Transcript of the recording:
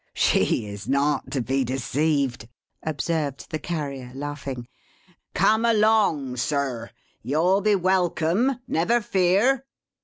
"She is not to be deceived," observed the Carrier, laughing. "Come along Sir. You'll be welcome, never fear!"